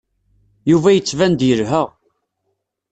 Yuba yettban-d yelha.